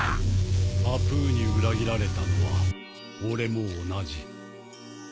アプーに裏切られたのは俺も同じ。